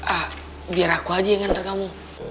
ah biar aku aja yang ngantar kamu